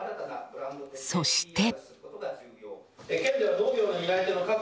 そして。